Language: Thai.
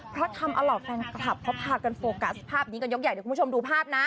เพราะทำเอาเหล่าแฟนคลับเขาพากันโฟกัสภาพนี้กันยกใหญ่เดี๋ยวคุณผู้ชมดูภาพนะ